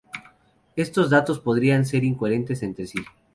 Estos datos podrían ser incoherentes entre sí.